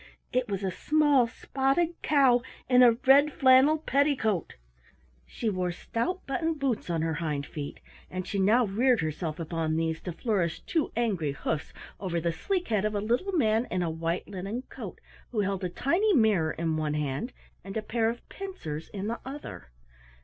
It was a small spotted cow in a red flannel petticoat. She wore stout button boots on her hind feet, and she now reared herself upon these to flourish two angry hoofs over the sleek head of a little man in a white linen coat who held a tiny mirror in one hand and a pair of pincers in the other.